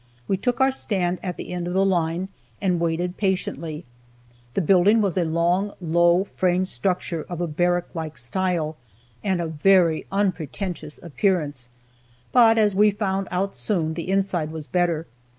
We took our stand at the end of the line, and waited patiently. The building was a long, low, frame structure, of a barrack like style, and of very unpretentious appearance, but, as we found out soon, the inside was better.